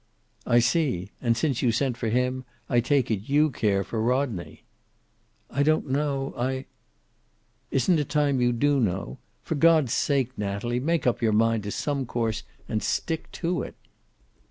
"I see. And, since you sent for him I take it you care for Rodney." "I don't know. I " "Isn't it time you do know? For God's sake, Natalie, make up your mind to some course and stick to it."